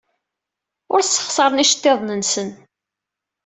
Ur ssexṣaren iceḍḍiḍen-nsen.